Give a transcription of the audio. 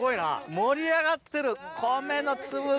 盛り上がってる米の粒が。